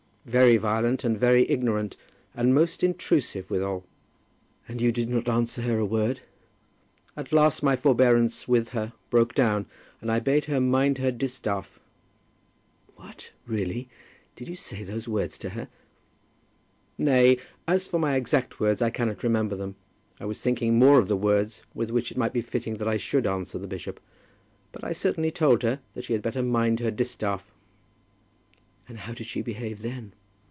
"Very violent, and very ignorant; and most intrusive withal." "And you did not answer her a word?" "At last my forbearance with her broke down, and I bade her mind her distaff." "What; really? Did you say those words to her?" "Nay; as for my exact words I cannot remember them. I was thinking more of the words with which it might be fitting that I should answer the bishop. But I certainly told her that she had better mind her distaff." "And how did she behave then?"